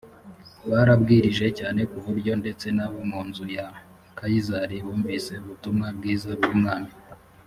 barabwirije cyane ku buryo ndetse n’abo mu nzu ya kayisari bumvise ubutumwa bwiza bw’ubwami